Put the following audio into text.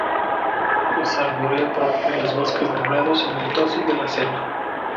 Es arbórea propia de los bosques nublados en el dosel de la selva.